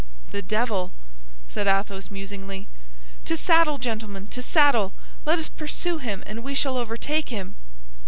"The devil!" said Athos, musingly. "To saddle, gentlemen! to saddle! Let us pursue him, and we shall overtake him!"